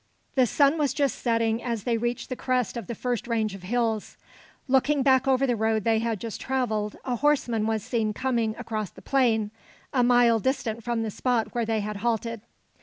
The sun was just setting as they reached the crest of the first range of hills. Looking back over the road they had just travelled, a horseman was seen coming across the plain, a mile distant from the spot where they had halted.